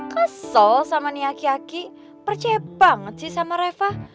kesel sama nih aki aki percaya banget sih sama reva